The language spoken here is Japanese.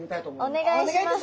お願いします。